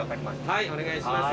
はいお願いします。